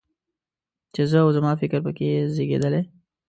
چې زه او زما فکر په کې زېږېدلی.